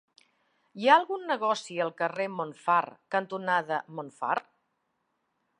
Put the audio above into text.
Hi ha algun negoci al carrer Montfar cantonada Montfar?